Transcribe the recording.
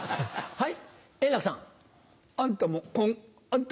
はい。